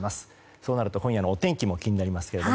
そうなると今夜のお天気も気になりますけど。